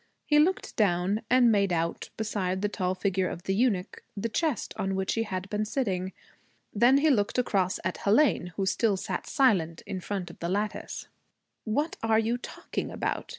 He looked down and made out, beside the tall figure of the eunuch, the chest on which he had been sitting. Then he looked across at Hélène, who still sat silent in front of the lattice. 'What are you talking about?'